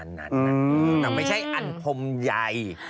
แต่ไม่ใช่อันคมใหญ่